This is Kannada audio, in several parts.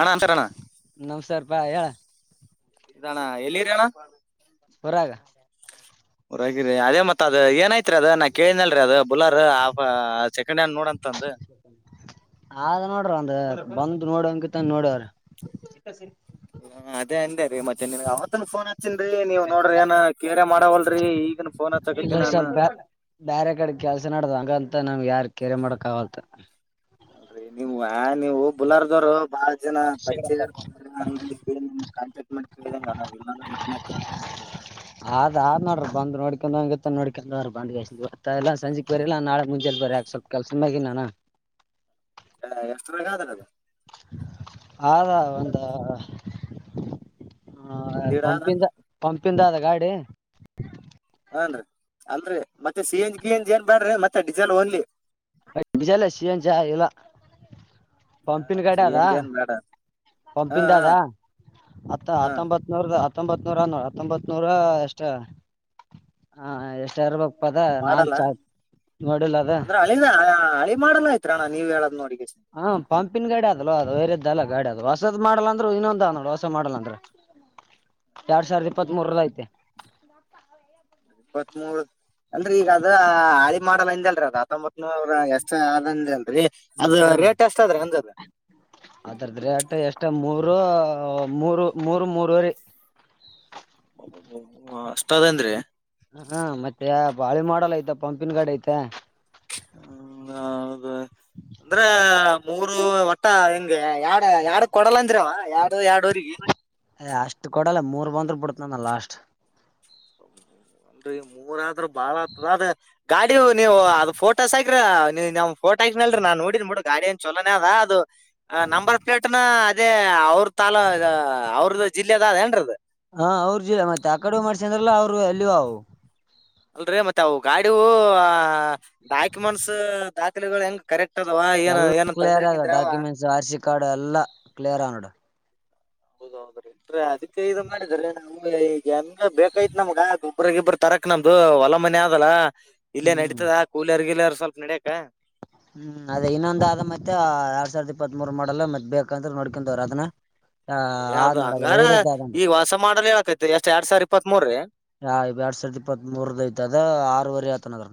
ಅಣ್ಣ ಅಂತಾರಣ ನವಸರ್ ಪಾಯ ಹೇಳ ಇದಣ ಎಲ್ಲಿರಿ ಅಣ್ಣ ಹೊರಾಗ ಹರಿ ಅದ ಮತ್ತ ಅದ ಏನಾಯ್ತು ತ್ರಿ ಅದ ನಾ ಕೇಳನಲ್ರೀ ಅದು ಬುಲರ್ ಆಫ ಸೆಕೆಂಡ್ ಹ್ಯಾಂಡ್ ನೋಡ ಅಂತಂದು ಆದದ ನೋಡ್ರಿ ಒಂದ ಬಂದ್ ನೋಡನ್ಕಿತ್ತ ನೋಡವ್ರ ಹ ಅದೇ ಅಂದೇ ರೀ ಮೆ ಅವತ್ತನ್ ಫೋನ್ ಹಚ್ಚನ್ೀ ನೀವ್ ನೋಡ್ರಿ ಏ ಕೇರೆ ಮಾಡವಲ್ರರಿ ಈಗ ಇ ಸ್ವಲ್ಪ ಬೇರೆ ಕಡೆ ಕೆಲ್ಸ ನಡ್ದ ಹಂಗಂತ ನಮ್ ಯಾರ್ ಕೆಿರೆ ಮಾಡಡ ಕಾವಲ್ುತ್ತ ಅಲ್ರರಿ ನೀವು ಹ ನೀವು ಬುಲಾರಗವರು ಬಹಳ ಜನ ಪರಿಚಯ ಇರ್ತ ಕಾಂ ಮ ಕೇಳಂಗಲ್ಲ ಇಲ್ಲಂದ ನಾನೇ ಕಡಲ್ಲ ಅ್ ಆದ್ ನೋಡ್ರ ಬ್ ನೋಡ್ಕೊಂಡ್ ಹಂಗ ಗ ನೋಡ್ಕೊಂಡ್್ರ ಬಂದ್ ಎಲ್ಲ ಸಂಜೆ ಬರಿಲ್ಲ ನಾಳೆ ಮುಂಜೆ ಬರ ಸ ಕೆಲ್ಸಮ್ಮಾಗಿ ನಾನ ಎಷ್ಟ ವರೆಗ ಆದಲ್ಲ ಅದ ಹದಾ ಒಂದ ಹ ದೀಡ ಅದನ್ ಪಂಪಿಂದ ಪಂಪಿಂದ ಅದ ಗಾಡಿ ಹನ್ರಿ ಅಂದ್ರರಿ ಮತ್ತೆ ಸಿ ಎನ್ಜಿ ಕ ಎನ್ಜಿ ಏನ್ ಬ್ಯಾಡ್ರಿ ಮತ್ತೆ ಡೀಿಸೆಲ್ ಓನ್ಲಿ ಜಲ್ಲ ಸಿನ್ ಜಾ ಇಲ್ಲ ಪಂಪಿನ ಸಿ ಕಡೆ ಅದ ಎನ್ ಜಿ ಏನ್ ಬೇಡ ಹಾ ಪಂಪಿಂದ ಹಾ ಅದ ಹತ್ತ ಹಾ ಹತ್ತೊಂಬತ್ನೂರ ಹತ್ತೊಂಬತ್ ನೂರ ನೋಡ ಹತ್ತೊಂಬತ್ ನೂರ ಎಷ್ಟ ಹ ಎಷ್ಟ ಪದ ನಾನ್ ಮಾಡಲ್ಲ ಚಾ ನೋಡಿಲ್ಲ ಅದ ಅಂದ್ರ ಹಳ ಹಳಿ ಮಾಡಲ್ಲ ಆಯ್ತ್ರಣ್ಣ ನೀವ್ ಹೇಳದ್ ನೋಡಿ ಹಾ ಪಂಪಿನ್ ಗಾಡ ಆ ಅ ಅದು ವೇರದ್ದಲ್ಲ ಗಾಡಿ ಅದು ಹೊಸದ್ ಮಾಡಲ್ಲ ಅಂದ್ರು ಇನ್ನೊಂದ ನೋಡ ವಸ ಮಾಡಲ್ಲ ಅಂದ್ರೆ ಎರಡ್ ಸಾವಿರದ ಇಪ್ಪತ್ತ್ ಮೂರದ ಐತೆ ಇಪ್ಪತ್ತ್ ಮೂೂರು ಅಲ್ರೀ ಈಗ ಅದ ಹಾಿ ಮಾಡಲ್ಲ ಅಂದ ಅಲ್ರೀ ಅದ ಹತ್ತೊಂಬತ್ ನೂರ ಎಷ್ಟ ಅದಂದ ಅಲ್ರಿ ಹ ಅದರದಟ ಎಷ್ಟ ಮೂರು ಬ್ರೋ ಮೂರು ಮೂರು ಮೂರವರಿ [unintelligible] ಅಷ್ಟ ಅದಾನ್ರಿ. ಹ್ಞಾ ಮತ್ತೆ ಬಾಳೆ ಮಾಡಲ್ ಐತ ಪಂಪಿನ್ ಗಾಡಿ ಐತ ಹ ಹೌದ ಅಂದ್ರ ಮೂರು ವಟ್ಟ ಹಿಂಗ ಯಡ ಯಡ್ ಕೊಡಲ್ಲ ಅಂದ್ರವ ಯ ಏ ಅಷ್ಟ್ ಕೊಡಲ್ಲ ಮೂರ್ ಬಂದ್ರ ಬಿಡತ ನಾನ ಲಾಸ್ಟ್ ಒನ್ರಿ ಮೂರ ಆದ್ರೂ ಬಾಳ ಆಗ್ತದ ಅ ಗಾಡಿ ನೀವು ಅದ ಫೋಟೋಸ್ ಹಕ ನೀ ನ್ ಫೋಟ ಹಾಕ್ನಲ್ ನೋಡಡಿರಿ ನ ಬಿಡು ಗಾ ಏ ಚಲೋೇ ಅದ ಅದು ನಂಬರ್ ಪ್ಲೇಟ್ನ ಅದೇ ಅವ್ರ ತಾಲ ಅವ್ರದ್ದ ಜಿಲ್ಲೆದ ಅದ ಏನ್ರದ ಹಾ ಅವ್ರ ಜಿಲ್ಲ ಮತ್ತೆ ಆ ಕಡೆ ಮಾಡ್ಸ ಅಂದ್ರಲ್ಲ ಅವರು ಅಲ್ಲಿವ ಅವು ಅಲ್ರಿ ಮತ್ತೆ ಅವು ಗಾಡಿೂ ಡಾಕ್ಯುಮೆಂಟ್ಸ್ ದಾಖಲೆಗಳು ಹೆಂಗ್ ಕರೆಕ್ಟ್ ಅದಾವ ಏನ್ ಎಲ್ಲಾ ಏನ್ ಕ್ಲಿಯರ್ ತೊಂದ್ರೆ ಆಗ ಗಿಂದ್ರೆ ಅವ ಡಾಕ್ಯುಮೆಂಟ್ಸ್ ಆರ್ ಸಿ ಕಾರ್ಡು ಎಲ್ಲಾ ಕ್ಲಿಯರ್ ಆಗ ನೋಡು ಹೌದ ಹೌದ್ರಿ ರ ಅದಕ್ಕೆ ಇದ ಮಾಡಿದ್ರೀನ ನಮ್ಗ ಈಗ ಹೆಂಗ ಬೇಕಾಯತ್ ನಮ್ಗ ಅದು ಇಬ್ರ ಗಿಬ್ರ ತರಕ್ ನಮ್ದು ಹೊಲ ಮನಿ ಆದಲ್ಲ ಇಲ್ಲೇ ಹ್ಮ್ ನಡತದ ಕುಲರ್ ಗಿಲರ್ ಸ್ವಲ್ಪ ನಡಿಯಕ್ಕ ಹ್ಮ ಅದೇ ಇನ್ನೊಂದ ಅದ ಮತ್ತ ಯಾಡ ಸಾವಿರದ ಇಪ್ಪತ್ತ ಮೂರ ಮಾಡಲ್ಲ ಮತ್ ಬೇಕಂದ್ರ ನೋಡ್ಕೊಂಡ ಹೋರಿ ಅದನ್ನ ಆ ಎ ಯದ ಆದ್ ನೋಡ್ ಅದ್ ಹಂಗಾರ ವೈರದ್ದ್ ಆದ್ ನೋಡ್ ಈ ಹೊಸ ಮಾಡಲ್ ಹೇಳತ್ತರಿ ಎಷ್ಟ ಯಾಡ ಸಾವಿರ ಇಪ್ಪತ್ತ ಮೂರೀ ಹಾ ಯಾಡ್ ಸಾವಿರದ ಇಪ್ಪತ್ತ್ ಮೂರ್ದ ಐತ ಅದ ಆರವರೆ ಆಯತನದ್ರ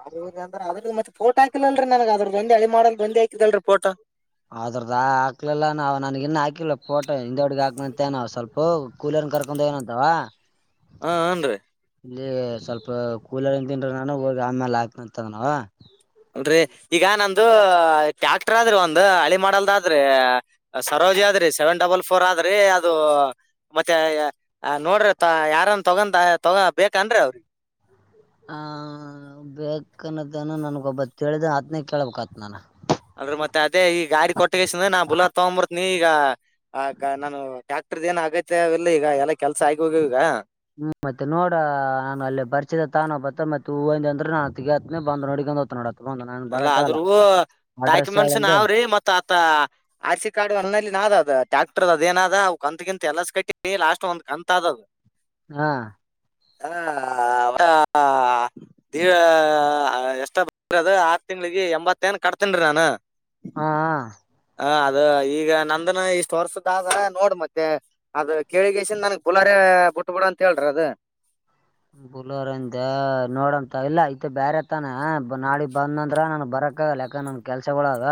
ಅ ಅ್ರ ಅದ್ರ ಮತ್ತ ಫೋಟೋ ಹಾಕಿಲ್ಲಲ್ರಿ ನನಗ ಅದ್ರ ಹಳಿ ಮಾಡಲ್ ಒಂದೇ ಹಾಕಿದಲ್ರಿ ಫೋಟೋ ಅದ್ರದ್ದ ಹಾಕ್ಲಿಲ್ಲಾ ನಾ ನನಗ ಇನ್ನ ಹಾಕಿಲ್ಲ ಫೋಟೋ ಹಿಂದ ಗಡಿಗ ಹಾಕತನ ಹೇಳೆನ ಸಲ್ಪ ಓ ಕೂಲರ್ ಕರ್ಕೊಂಡ ಹೋಗ್ಯಾನ ಅಂತ ಆವಾ ಹ ಹಂನ್ರೀ ಇಲ್ಲಿ ಸ್ವಲ್ಪ ಕೂಲರ ಇಂತಿನ್ರಿ ನಾನು ಹೋಗಿ ಆಮೇಲ ಆಕ್ತಂತನವ ರಿ ಈಗ ನಂದು ಟ್ಯಾಕ್ಟರ್ ಆದ್ರಿ ಒಂದ ಹಳಿ ಮಾಡಲ್ದದ್ರಿ ಸರೋಜದ ರಿ ಸೆವೆನ್ ಡಬಲ್ ಫೋರ್ ಆದ್ರಿ ಅದು ಮತ್ತೆ ನೋಡ್ರಿ ಅ ಯಾರನ್ ತಗ ಅದ ಬೇಕಂನ್ರೀ ಅ ಹ ಬೇಕನ್ನದನ ನನ್ನಗ ಒಬ್ಬ ತಿಳಿದ ಆತ್ನ ಕೇಳಬೇಕ ಆತ್ ನಾನ ಅಂದ್ರ ಮತ್ತ ಅದೇ ಈ ಗಾರಿ ಕೊಟ್ಟಗಸಿಂದ ನಾ ಬುಲ ತಗೊಂದಬರ್ತೀನಿ ಈಗ ಗ ನಾನು ಟ್ರ ದ ಏನ್ ಅಗತ್ಯವಿಲ್ಲ ಈಗ ಎಲ್ಲಾ ಕೆಲ್ಸ ಆಗಿ ಹೋಗ್ಯಾವ ಈಗ ಹ್ಮ ಮತ್ತ ನೋಡ ನ್ ಅಲ್ಲಿ ಪರಿಚದ ತಾನಬತ್ತ ಮತ್ತ್ ಹು ಅಂದಿ ಅಂದ್ರ ನಾ ಅತಗ ಹೆತೀನಿ ಬಂದ ನೋಡ್ಕೊಂಡ ಹೋತಾನ ನೋಡ. ಆತ್ ಬಂದ್ ನಾನ್ ಅಲ್ಲ ಬರಕಾಗಲ್ಲ ಆದ್ರೂ ಅಡ್ರೆಸ್ ಡಾಕ್ಯುಮೆಂಟ್ಸ್ ಹೇಳಂದ ನಾವ್ರಿ ಮತ್ ಆತ ಆರ್ ಸಿ ಕಾರ್ಡ್ ಅಲ್ಲಿ ನಾದ ಅದ ಟ್ಯಾಕ್ಟರ್ದ ಅದೇನಾದ ಅವು ಕಂತಗಿಂತ ಎಲ್ಲಸ ಕಟ್ಟಿ ಲಾಸ್ಟ್ ಒಂದ್ ಕಂತ್ ಅದದ ಹ್ನ. ಹ ದ ಡಿ ಎಷ್ಟ ಬದ ತಿಂಗ್ಳಿಗಿ ಎಂಬತ್ತ ಏನ್ ಕಟ್ತನ್ರೀ ನಾನ ಹ್ಞಾ. ಹ ಅದ ಈಗ ನಂದನ್ ಇಷ್ಟ ವರ್ಷದ ಆದ ನೋಡ್ ಮತ್ತೆ ಅದ ಕೇಳಿಗೆಸಿನ್ ನನ್ಗ್ ಬುಲಾರ ಅ ಬಿಟ್ಟ ಬಿಡ ಅಂತ ಹೇಳ್ರಿ ಅದ ಬುಲೋರ್ಂದ ನೋಡನ ತು ಇಲ್ಲ ಇತ ಬೇರೆತಾನ ನಾಳಿ ಬಂದಂದ್ರ ನನ್ ಬರ ಕ ಲೇಕ ನನ್ ಕೆಲ್ಸಗೋಳ ಅದ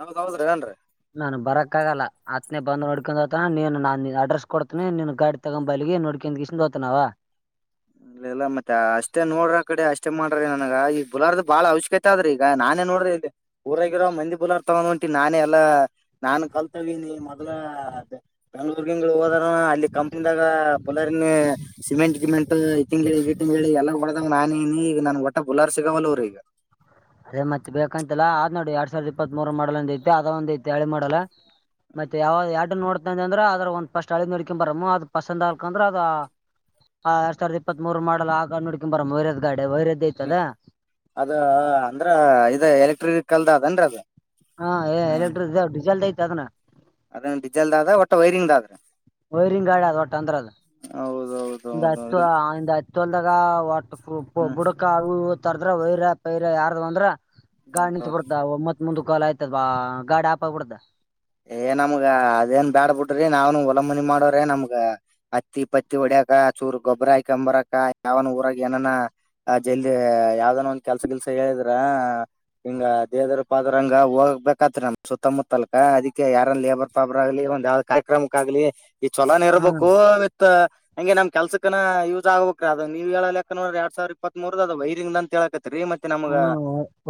ಹೌದ ಹೌದ್ರಿ ಏನ್ರಿ. ನನ್ ಬರಕ್ಕ ಆಗಲ್ಲ ಅತ್ನ ಬಂದ ನೋಡ್ಕೊಂಡ ಹೋತಾನ ನೀನ ನನ ಅಡ್ರೆಸ ಕೊಡ್ತೀನಿ ನೀನ್ ಗಾಡಿ ತಗೊಂಡ ಬಾ ಅಲ್ಲಿಗಿ ನೋಡ್ಕೊಂಡ ಗಿಸ್ಕಿದ ಹೋತನ ಆವ [inaudible] ಇಲ್ಲ ಇಲ್ಲ ಮತ್ತ ಅಷ್ಟೇ ನೋಡ್ರ ಅಕಡೆ ಅಷ್ಟೇ ಮಾಡ್ರಿ ನನಗ ಈಗ ಬುಲರ್ದ ಬಾಳ ಅವಶ್ಯಕತೆ ಅದ್ರಿ ಈಗ ನಾನ್ ನೋಡ್ರಿ ಇಲ್ಲಿ ಊರಾಗಿರೋ ಮಂದಿ ಬುಲರ್ ತುಗೊಂದ ಹೊಂಟಿ ನಾನೇ ಎಲ್ಲಾ ನಾನ್ ಕಲ್ತಹೋಗಿನಿ ಮೊದಲ ಹ [unintelligible] ಹೋದ್ನಾ ಆವಾ ಅಲ್ಲಿ ಕಂಪನಿದಾಗ ಬುಲರಿನ್ ಸಿಮೆಂಟ್ ಗಿಮೆಂಟ್ ಈ ತಿಂಗಳಿ ಈ ತಿಂಗಳಿ ಎಲ್ಲ ಹೋಡದಾಗ ನಾನನಿ ಈಗ ನನಗ ಒಟ್ಟ ಬುಲರ್ ಸಿಗವಲ್ಲ ರಿ ಅದೇ ಮತ್ತೆ ಬೇಕಂತಲ್ಲ ಆದ್ ನೋಡಿ ಯಾಡ್ ಸಾವಿರದ ಇಪ್ಪತ್ ಮೂರ್ ಮಾಡಲ ಅಂದಿದಲ್ಲ ಅದ ಒಂದ ಅತಿ ಎಳಿ ಮಾಡಲ್ಲ. ಮತ್ತೆ ಯಾವ ಎಡ್ಡು ನೋಡ್ತ ಅಂದ್ರ ಅದ್ರ ಒಂದ್ ಫಸ್ಟ್ ಹಳಿದ ನೋಡ್ಕೊಂಡ ಬರಮ್ಮ ಅದ ಪಸಂದ ಆತ ಅಂದ್ರ ಅದ ಆ ಎರಡಸಾವಿರ ಇಪ್ಪತ್ ಮೂರ ಮಾಡಲ್ಲ ಆಗ ನಡ್ಕಿ ಬರ ವೇರದ ಗಡಿ ವೈರದಧ್ಯ್ಯ ಯತದಾ ಅದ ಅಂದ್ರ ಇದು ಎಲೆಕ್ಟ್ರಿಕಿಕ್ ಕಲ್ದ ಅದೇನ್ರೀ ಅದು ಹಾ ಏ ಎಲೆಕ್ಟ್ರಿಕ್ ಡೀಸೆಲ್ದ ಐತ ಅದನ ಅದ ಡೀಸೆಲ್ದ ಆದ ಒಟ್ಟ ವೈರಿಂಗ್ ಆದ್ ವೈರಿಂಗ್ ಗಾಡ ಅದ ಓಟ್ಟ ಅಂದ್ರ ಅದ ಹೌದೌದೌದು ಒಂದ್ ಹತ್ತು ಆ ಒಂದ್ ತೊಲ್ದಾಗ ಒಟ್ಟ ವ ಹ್ಮ್ ಬುಡಕ ತರದ್ರ ವೈರ ಪೈರ ಯಾರ್ದ ಅಂದ್ರ ಗಾಡಿ ನಿಂತ ಹೌದೌದು ಬಿಡ್ತ ಮತ್ತ ಮುಂದಕೋಲಾ ಪಾ ಗಾಡಿ ಆಪ್ ಬಿಡ್ತ ಏ ನಮ್ಗ ಅದೇನ ಬ್ಯಾಡ ಬಿಡ್ರಿ ನಾನೂ ಹೋಲಮನಿ ಮಾಡರೆ ನಮ್ಗ ಹತ್ತಿ ಪತ್ತಿ ಒಡ ದ ಚೂರ್ ಗೊಬ್ರರ ಆಕಂಬರಕ್ಕ ಯಾವನ ಊರಾಗ ಏನನ ಅ ಜಲ್ದ ಯಾವ್ದನ ಒಂದ ಕೆಲ್ಸ ಗಿಲ್ಸ ಹೇಳಿದ್ರ ಹಿಂಗ ದೇದರ ಪಾದ್ರಂಗ ಹೋಗ ಬೇಕತ್ರಿ ನಮ್ ಸುತ್ತಮುತ್ತಲ್ಕ ಅದಕ್ಕೆ ಯಾರ ಲೇಬರ್ ಪಾಬರ್ ಆಗ್ಲಿ ಒಂದ್ ಯಾವ್ದ್ ಕಾರ್ಯಕ್ರಮಕ್ ಆಗ್ಲಿ ಈ ಚಛಲೋನ ಹ್ಮ್ ಇರಬೇಕು ವಿತ್ ಹಂಗೆ ನಮ ಕೆಲ್ಸಕನ ಯೂಸ್ ಆಗ್ಬೇಕ್ರ ಅದ ನೀ್ ಹೇಳಾ ನ್ರ ಎಡ್ಾವಿರ ಇಪ್ಪತ್ ಮೂರದ ಅದ ವೈರಿಂಗ್ ಅಂತ ಹೇಳಕತಿ ರಿ ಮತ್ತೆ ನಮ್ಗ ಹ್ಮ್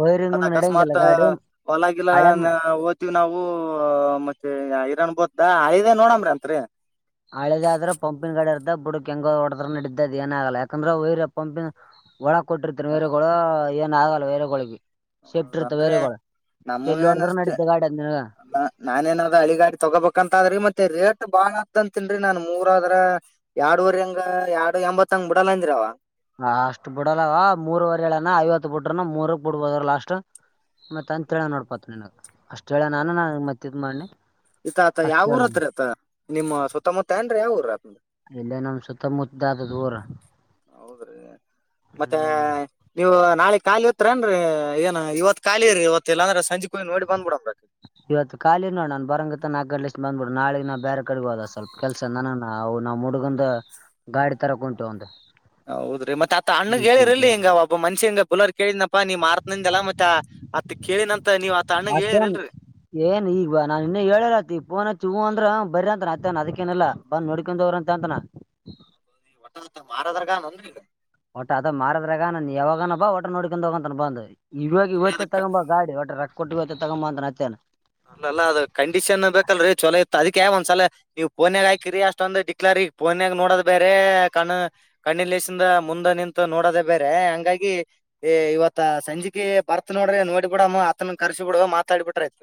ವೈರಿಂಗ್ ಅದ್ ನಡೆಯಂಗಿಲ್ಲ ಅಕಸ್ಮಾತ್ ಗಾಡಿ ಹೊಲಾಗಿಲ್ಲ ಹಳೆ ಇತೀವಿ ನಾವು ಮತ್ತೆ ಇರರಣ್ ಬೋದ್ದ ಆಐ್ದೇ ನೋಡಮ್ರಿ ಅತ್ರಿ ಹಳೆದಾದ್ರೆ ಪಂಪಿಿನ ಗಡರ್ದ ಬುಡು ಕೆಂಗ ಹೊಡೆಡದರು ನಡಿದ್ದದು ಏನಾಗಲ್ಲ ಯಾಕಂದ್ರೆ ವೈರಿ ಪಂಪಿಿನ ಒಳ ಕೊಟ್ಟಿರ್ತೇನ ವೇರಗಳು ಏನು ಆಗಲ್ಲ ವೇರಗಳಿಗೆ ಹೌದ ಅಂದ್ರೆ ಎಲ್ಲಿ ನಮಗೇನ್ ಹೊಡದ್ರ ಅಷ್ಟೆ ನಡಿದ್ದ ಗಾಡಿ ಅದ್ ನಾನೇಏನಾದ್ರ ಹಳಿ ಗಾಡಿ ತಗೋಬೇಕಂತ ಆದ್ರಿ ಮತ್ತೆೀ ಬಾಳ ಅತ್ಂತ ತಿನ್ರಿ ನಾನ್ ಮೂರ ಆದ್ರ ಎರಡುವರೆ ಹಂಗ ಎರಡ್ ಎಂಬತ್ತಂಗ್ ಬಿಡಲ್ಲನ್್ರಿ ಅವ ಅ ಅಷ್ಟ್ ಬಿಡಲ್ಲವ ಮೂರವರೆ ಹೇಳನ ಐವತ್ತು ಬಿಡ್ರನ ಮೂರಕ್ ಬಿಡ್ಬೋದಾರ ಲಾಸ್ಟ್ ಮತ್ತ ಅಂತ ಹೇಳ ನೋಡ್ಪಾತ್ ನಿನಗ್ ಅಷ್ಟ ಹೇಳ ನಾನ ನ ಮತ್ತ ಇದ್ ಮಾಡ್ನಿ ಇತ ಆತ ಯಾವ ಊರತ್ರಿತ ನಿಮ್ಮ್ ಸುತ್ತಮುತ್ತ ಏನ್್ರ ಯಾವ ಊರತ್ ಇಲ್ಲ ನಮ ಸುತ್ತಮುತ್ತಾದ ದೂರ ಹೌದ್ರಿ ಮತ್ತೆ ನೀವು ನಾಳೆ ಖಾಲಿತ್ತು ೇನ್ೀ ಏನ್ ಇವತ್ ಕಾಲಿರಿ ಇವತ್ತ ಇಲ್ಲಾ್ರೆ ಸಂಜೆ ಕಯ್ ನೋಡಿ ಬಂದ್ಬ ಬಿಡ ಇವತ್ತು ಖಾಲಿ ನೋಡ ನಾನ್ ಬರಂಗ ತ ನ ಆಗ್ಡ್ಲೆಷ್ಟ ಬಂದ್ಬಿಡ್ ನಾಳಿಗೆ ನಾವು ಬೇರೆ ಕಡೆ ಹೋದ ಸ್ವಲ್ಪ ಕೆಲ್ಸ ನವು ನಾವ್ ಮುುಡುಗಂದ ಗಾಡಿ ತರ ಉಂಟು ಒಂದು ಹೌದ್ರೀ ಮತ್ತತ್ ಆ ಅಣ್ಣಗ್ ಹೇಳಿರ್ರಿ ಇ ಹಿ ಒಬನ್ಷಿಂಗ ಬುಲರ್ ಕೇಳಿದನಪ್ಪಾ ನೀ್ ಮಾರ್ತನಿಂದ ಅಲ್ಲ ಮತ್ತ ಅತ್ ಕೇಳಿನಂತ ನೀವ್ ಅತ್ ಅಣ್ಣಗ್ ಮತ್ತೇನ್ ಹೇಳಿರಿಲ್ರರಿ ಏನ್ ಈಗ ನನ್ ಇನ್ನ ಹೇಳಲತಿ ಪೋನ ಚ ಅಂದ್ರ ಬರ ಅಂತನ ಅಯತಾನ ಅದಕ್ಕೇನಲ್ಲ ಬಂದ್ ನೋಡ್ಕೊಂಡೋಗ್ರಂತ ಅಂತಾನ ಹೊ ಮಾರದ್ರಗನ್ನ್ರಿ ಒಟ ಅದ ಮಾರದ್ರಾಗ ನನ್ ಯಾವಾಗನ ಬಾ ಒಟ ನೋಡ್ಕೊಂಡ ಹೋಗಂತ ಬ ಅಂದ್ಿ ಇವಾಗ ಫ್ರೀ ಇವತ್ತೇ ಅದಕ್ಕ ತಗೊಂಬ ಗಾಡಿ ಒಟ್ಟೆ ರಕ್ಕ ಕೊಟ್ಟ ಇವತ್ತ ತಗೊಂಬ ಅಂತ ಅತ್ತೇನೆ ಅಲ್ಲಲ್ಲ ಅದು ಕಂಡೀಷನ್ ಬೇಕಲ್ರಿೀ ಚೊಲೋ ಇತ್ತು ಅದಕ್ಕೆ ಒಂದಸಲ ನೀವು ಪೋನ್ಯಾಗ ಹಾಕಿರಿ ಅಷ್ಟೊಂದ ಡಿಕ್ಲಾರಿ ಪೋನ್ಯಾಗ ನೋಡೋದ ಬೇರೆ ಕಣ್ಣ ಕಣ್ಣಿ ಲಸಿಂದ ಮುಂದೆ ನಿಂತ ನೋಡೋದ ಬೇರೆ ಹಂಗಾಗಿ ಇವತ್ತ ಸಂಜಿಕೆ ಬರ್ತ್ ನೋಡ್ರೆ ನೋಡಿಬ ಬಿಡಮ್ಮ ಆತನ ಕರ್ಸಿ ಬಿಡ ಮಾತಾಡ್ಬಿಟ್ರಯ್ತ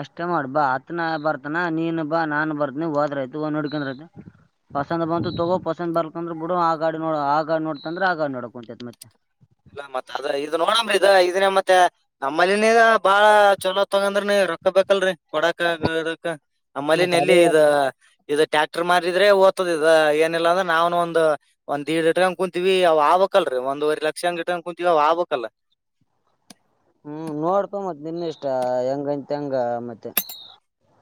ಅಷ್ಟೇ ಮಾಡಬಾ ಅತ್ನ ಬರ್ತಾನ ನೀನು ಬಾ ನಾನನ್ ಬರ್ತನಿ ಹೋದ್ರಐತ ಒ ನುಡ್ಕೊಂಡೈತೆ ಪಸಂದ್ ಬಂತು ತಗೋ ಪಸಂದ್ ಬರ್ಕಂದ್ರ ಬಿಡು ಆ ಗಾಡಿ ನೋ ಆ ಗಾಡಿ ನೋಡ್ತಂದ್ರೆ ಆ ಗಾಡಿ ನೋಡಕ್ ಕುಂಂತೈತ್ ಮತ್ತೆ ಇಲ್ಲ ಮತ್ತತ್ ಅದ ಇದ ನೋಡಂಬ್ರಿ ಇದ ಇದನ್ನ ಮತ್ತೆ ನಮ್ಮಲ್ಲಿನಗ ಬಾಳ ಚೊಲೋ ತಗಂದ್ರ ರೊಕ್ಕ ಬೇಕಲ್ರರಿ ಕೊಡಾಕ್ ಆಮ್ಮಲೆಿನ ಮತ್ ಎಲ್ಲಿ ಅದೇ ಇದ ಇದು ಟ್ಯಾಕ್ಟರ್ ಮಾರಿದ್ರೆ ಏನಿಲ್ಲ ಅಂದ್ರ ನಾವನ್ ಒಂದ ಒಂದ್ೀಡ್ಡ್ ಕುಂತೀವಿ ಅವ ಆ್ಕಲ್ರರಿ ಒಂದ್ವರೆ ಲ ಶಕ್ಷಂಗ ಟಂಗ ಕುೂಂತೀವ ಆಗ್ಬಕ್ಲ್ಲ ಹ್ಮ್ ನೋಡ್ಕ ಮತ್ ನಿನ್ ಇಷ್ಟ ಹೆಂಗಂತ ಹೆಂಗ ಮತ್ತೆ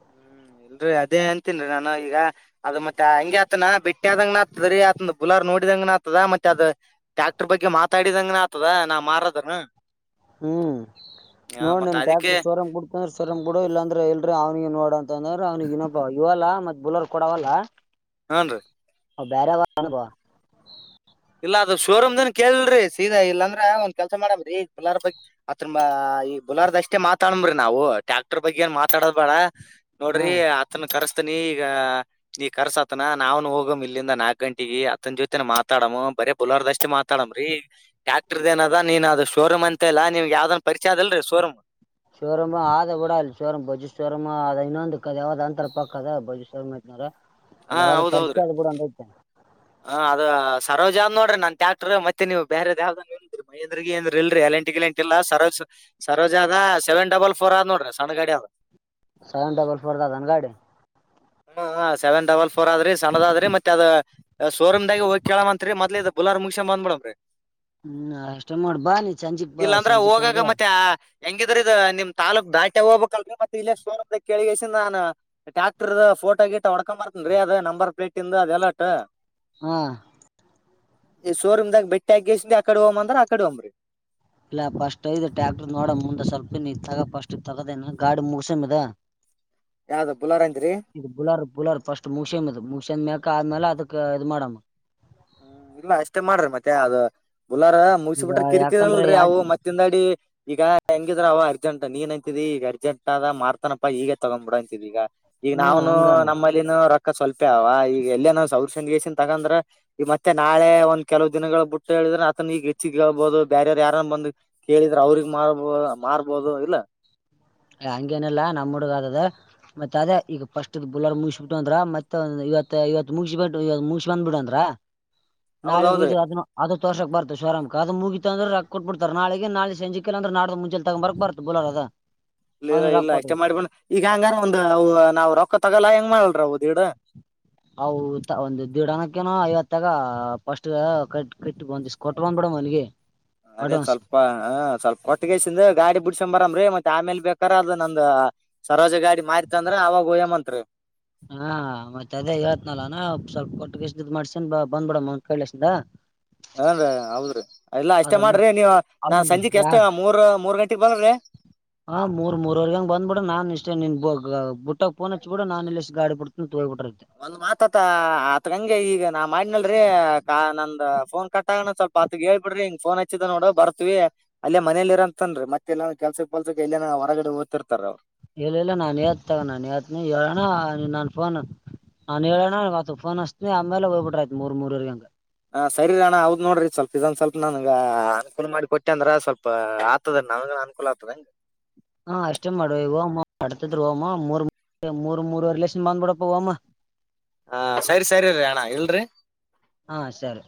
ಹ್ಮ್ ಇಲ್ರರಿ ಅದೇ ಅಂತೀನ್ೀ ನಾನು ಈಗ ಅದ ಮತ್ತೆ ಹಂಗಗೆ ಆತನ ಬಿಟ್ಟ ಆದಂಗ ನತ್ದರಿ ಆತ ಬುಲ ನೋಡಿದಂಗನ ಆತದ ಮತ್ತೆ ಅದ ಟ್ಯಾಕ್ಟರ್ ಬಗ್ಗೆ ಮಾತಾಡಿದಂಗನ ಆಗ್ತದ ನಾ್ ಮಾರದನು ಹ್ಮ್ ನೋಡ್ ನನ್ ಅದಕ್ಕೆ ಟ್ಯಾಕ್ಟ್ರರ್ ಸವರಂಗ್ ಬಿಡತಂದ್ರೆ ಸವರಂಗ್ ಬಿಡ ಇಲ್ಲಾಂದ್ರೆ ಇಲ್ರಿ ಅವ್ನಿಗೆ ನೋಡಂತ ಂದ ಅವ್ನಿಗೆ ಇನೊಪ್ಪ ಇವಲ್ಲಾ ಮತ್ ಬುಲರ್ ಕೊಡವಲ್ಲ ಹನ್ರಿ ಹ ಬೇರೆಣಬ ಇಲ್ಲ ಅದ್ ಶೋರೂಮ್್ದನ್ ಕೇಳಲ್ರಿ ಸೀದಾ ಇಲ್ಲಾಂದ್ರ ಒಂದ್ ಕೆಲ್ಸ ಮಾಡಮ್ರೀ ಪಲರ್ ಬಗ್ ಅ ಕುಲಾರದಷ್ಟೇ ಮಾತಾಡಂಬ್ರಿ ನಾವು ಟ್ಯಾಕ್ಟರ್ ಬಗ್ಗೆ ಏ ಮಾತಾಡ ಬೇಡ ಹಾ ನೋಡ್ರಿ ಅತ್ ಕರಸ ಆತ್ನ ಈಗ ನೀ ಕರ್ಸತನ ನಾವನು ಹೋಗ್ ಇಲ್ಲಿಂದ ನಾಲ್ಕ ಗಂಟೆಗೆಗ ಅತನ ಜೊತೆ ಮಾತ್ರ ಮಾತಾಡ್ ಬರ ಬಲರ್ದಷ್ಟ್ ಮಾತಾಡಮ್ರೀ ಟ್ಯಾಕ್ಟರ್ದ ಏನದ ನೀನ್ ಅದು ಶೋರೂಮ ಅಂತ ಇಲ್ಲ ನಿವ್ ಯಾವ್ದ ಪರಿಚ ಅಲ್ರೀ ಸೋರಂ್ ಹ ಅದ ಇನ್ನೊಂದು ಕದ ಯಾವದ ಅಂತ ತರಪಕ್ದ ಬಜೀ್ವತನಾರೆ ಹಾ ಕೆಲವಾದ ಹೌದೌದ್ರಿ ಪರಿಚಯ ಆದ ಕೂಡ ಒಂದ ಐತೆ ಹ ಅದ ಸರೋಜ್ ನೋಡ್ರಿ ನನ್ ್ಯಾಕ್ಟ್ರ ಮತ್ತೆ ನೀವು ಬೇರೆ ದಾವ್ದ ಮಹೇಂದ್ರಗಏ್ರ ಇರಿ ಎಂಟಿ ಎಂಟ ಇಲ್ಲ ಸರಜ್ ಸರೋಜ ಅ ಸೆವೆ ಡಲ್ ೋರ್ ಆದ ನೋ್ರರಿ ಸಣ್ಣ ಗಾ ಹ ಸೆವೆನ್ ಡಬಲ್ ಫೋರ್ ದಾಸನ್ ಗಾಡಿ ಹ ಸೆವೆನ್ ಡಬಲ್ ಫೋರ್ ಆದ್ರಿ ಸಣ್ಣದ ಆದ್ರಿ ಮತ್ತೆ ಅದ ಸೋರಮ್ದೆ ಹೋಗ ಕೇಳಳ ಅಂತತ್ರಿ ಮದಲದ ಬುಲಾರ್ ಮುಗಸನ್ ಬಂದ್ಡ್ರರಿ ಹ್ಮ್ ಕಷ್ಟ ಮಾಡಡ್ಬಾ ನೀ ಸಂಜಿಪಾ ಇಲ್ಲಾಂದ್ರ ಸಂಜಿಕಂಗ ಹೋಗಾಗ ಮತ್ತೆ ಹೆಂಗಿದ್ರ ಇದ ನಿಮ್ ತಾೂಕ್ ದಾಟಿ ಹೋಗಬೇಕಲ್ರರಿ ಮತ್ತೆ ಇಲ್ಲ ಸೋನ ಕೇಳಿಗಸ ನಾನನ್ ಡಾಕ್ಟರ್ ಫೋಟೋ ಗಿಟ್ ಹೊಡ್ಕೊಂಬರ್ತೇನ್ ರೀ ಅದು ನಂಬರ್ ಪ್ೇಟ್ ಇಿಂದ ಅದು ಎಲಾಟ್ ಹಾ ಈ ಶೋರೂಮ ದಾಗ ಬೆಟ್ಟಿ ಆಗೇಸ ಅಕಡೆ ಹೋಗ್ ಅಂದ್ರ ಅಕಡೆ ಹೋಮ್ರಿ ಇಲ್ಲ ಫಸ್ಟ್ ಐದು ಟ್ಯಾಕ್ಟ್ರರ್ ನೋಡ ಮುಂದೆ ಸ್ವಲ್ಪ ಇ ತಗ ಫಸ್ಟ್ ಇ ತಗೋದೇನ ಗಾಡಿ ಮುಗಸಮದ ಯಾವ್ದ ಬುಲಾರ್ ಅಂದ್ರಿ ಇದು ಬುಲರ್ ಬುಲರ್ ಫಸ್ಟ್ ಮುಸೇನ್ ಮುಸೇನ್ ಮ ಾದ್ಮೇಾಲ ಅದುಕ್ಕೆ ಇದು ಮಾಡಡಾಮ ಹ್ಮ್ ಇಲ್ಲ ಅಷ್ಟೇ ಮಾಡ್ರಿ ಮತ್ತೆ ಅದು ಬುಲಾರ ಮುಗಸ ಈಗ ಬಿಿಟ್ರ ಯಾಕಂದ್ರ ಕಿರಿಕಿರಲ್ರರಿ ಯಾಡ್ ಅವು ಮತ್ತಿಂದ ಅಾಡಿ ಈಗ ಹೆಂಗಿದ್ರ ಅವ ಅರ್ಜೆಂಟ್ ನೀನ್ ಅಂತಿದಿ ಈಗ ಅರ್ಜೆಂಟ್ ಆದ ಮಾರ್ತಾನಪ್ಪಾ ಈಗಗೆ ತಗೊಂಡ್ ಬಿಿಡ ಅಂತಿದ್ ಈಗ ಈಗ ಹ್ಮ್ ನಾವ್ನು ಹಂಗಾನ ನಮ್ಮಲ್ಲಿನ ರೊಕ್ಕ ಸ್ವಲ್ಪೆ ಅವ ಈಗ ಎಲ್ಲನಾವ ಸೌ್ರಷನ್ಗೇಶನ್ ತಗಂದ್ರ ಈ ಮತ್ತೆ ನಾಳೆ ಒಂದ ಕೆಲ ದಿನಗಳ ಬ ಬಿಟ್ಟು ಹೇಳಿದ್ರೆ ಅತನ ಈಗ ಹೆಚ್ಚಿಗೆ ಹೇಳ್ಬಹುದು ಬೇರವ್ ಯಾರನ್ನ ಬಂದು ಕೇಳಿದ ಅವ್ರಿಗೆ ಮಾರ್ಬೋ ಮಾರ್ಬೋದು ಇಲ್ಲ ಹಂಗೇನಿಲ್ಲಾ ನಮ್ಮ್ ಹುಗ ಅದದ ಮತ್ತತ್ ಅದೇ ಈಗ ಫಸ್ಟ್ ಬುಲರ್ ಮುಸಬಿಟ್ಟು ಅಂದ್ರ ಮತ್ತೆ ಇವತ್ತು ಇವತ್ತು ಮುಗ ಬಿ ಮುಗಸಿ ಬಂದ್ಬಿಡ ಅಂದ್ರ ನಾಳೆ ಹೌದೌದ್ರಿ ಹಯ್ದದ ತೋಷಕ್ ಬತು ಶರಾಮಕ್ ಅದು ಮುಗಿತ ಅ್ರೆ ಕೊಟ್ ಬಿಡ್ತ ನಾಳೆ ನಾಳ ಸಂಜೆ ಅ್ರೆ ನಡದ ಮುಂೆ ತಗ ಬರಕ್ ಬತ ಬಲರ್ ಅ ಹ ಇಲ್ಲ ಇಲ್ಲ ಇಷ್ಟೇ ಮಾಡ್ಕೊಂಡ್ ಈಗ ಹಂಗಾರ ಒಂದು ನಾವ್ ರೊಕ್ಕ ತಗೋಲ್ಲಾ ಹೆಂಗ ಮಾಡಲ್ರ ದೀಡ ಹೌ ಒಂದು ದಿಡಾನ ಅಕನ ಐವತ್ತಾಗ ಫಸ್ಟ್ ಕ ಕಟ್ಟ ಬಂದ ಕೊಟ್ ಬಂದ್ ಬಿಿಡ ಮನಗೆ ಅದೇ ಸ್ವಲ್ಪ ಹ ಸ್ವಲ್ಪ ಕೊಟ್ಟಗಸಿಂದ ಗಾಡಿ ಬಿಡ್ಸ ಬರಾಮ್ರೀ ಮತ್ತತ್ ಆಮೇಲೆ ಬೇಕಾರ ಅದ ನಂದ ಸರೋಜ ಗಾಡಿ ಮಾರತ ಅಂದ್ರ ಅವಾಗ ಹಯ್ಯಮಂತ್ರಿ ಹಾ ಮತ್ತೆ ಅದೇ ಇವತ್ನಾಲ್ ಅನಾ ಸ್ವಲ್ಪ ಕೊಟ್ಟಷ್ಟ್ ಮಾಡ್ಸನ್ ಬ ಬಂದ್ಬಿಡ ಕೈಲಸಿಂದ ಹನ್ೀ ಹೌದ್ರಿ ಇಲ್ಲಾ ಅದ ಅಷ್ಟೇ ಮತ್ ಮಾಡ್ರಿ ನೀವು ನಾನ್ ಅವ್ನಿಗೆ ಸಂಜೆಕ್ ಯಾ ಎಷ್ಟ ಮೂರ ಮೂರ್ ಗಂಟೆ ಹಾ ಮೂರ್ ಮೂರ್ವರೆಗಂಗಗೆ ಬಂದ್ಬಿಡ ನಾನ್ ಇಷ್ಟೇ ನಿನ್ ಹೋಗ ಗ ಬುಟ್ಟಕ್ಕೆೋಚ್ುೂಡ ನನ್ ಎಲ್ಲೆಸ್ ಗಡಿ ಪಡ್ತ ಒಂದ್ ಮಾತತ ಆತ್ಗಂಗೆ ಈಗ ನಾ ಮಾಡಿನಲ್ ೀ ನಂದು ಫೋನ್ ಕಟ್ಗಣ ಸ್ವಲ್ಪ ಆತ್ ಹೇಳ್ ಬಿಡ್ರಿ ಹಿಂಗ ಫೋನ್ ಹಚ್ಚಿದ ನೋಡು ಬರ್ತ್ವಿ ಅಲ್ಲೇ ಮನೇಲಿ ಇರ ಅಂತನ್ೀ ಮತ್ತೆಲ್ಲನ ಕೆಲ್ಸಕ್ ಪಲ್ಸಕ್ ಎಲ್ಲನೋ ಹೊರಗಡೆ ದ್ತಿರ್ತಾರ ಅವ್ ಇಲ್ಲ ಇಲ್ಲ ನಾನ್ ತ್ ತಗ ನಾನನ್ ಯತನ ಹೇಳಣ ನನ್ ಫೋನ್ ನಾನನ್ ಹೇಳಣ ಇವತ್ತು ಫೋನ್ ಅಸ್ತನ ಆಮೇಲೆ ಹೋಗ್ಬ ಬಿ್ರ ಆಯತ್ ಮೂರ್ ಮೂರವರ್ಗ ಹಂಗಗೆ ಹಾ ಸರಿರಣ್ಣ ಹೌದ್ ನೋಡ್ರಿ ಸ್ವಲ್ಪ ಇದೊಂದು ಸ್ವಲ್ಪ ನನ್ಗ ಅನುಕೂಲ ಮಾಡಿ ಕೊಟ್ಟೆ ಅಂದ್ರ ಸ್ವಲ್ಪ ಆತದ ನಾವ್ ಅನುಕೂಲ ಆಗ್ತದೆ ಹಂಗಗೆ ಹಾ ಅಷ್ಟೇ ಮಾಡ್ವ ಇವ ಅಮ್ಮ ಅಡ್ತದ್ಮಮೂರ್ ಮೂರ್ ಮೂರರಿಲೇಷನ್ ಬಂದ್ಬಿಡಪ್ಪ ಅಮ್ಮ ಹ ಸರಿ ಸರಿರಿ ಅಣ್ಣ ಇಲ್ರಿ ಹಾ ಸರಿ